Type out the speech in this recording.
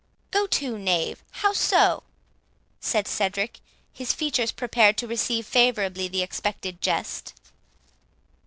"Go to, knave, how so?" said Cedric, his features prepared to receive favourably the expected jest.